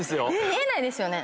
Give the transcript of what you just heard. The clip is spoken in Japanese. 見えないですよね？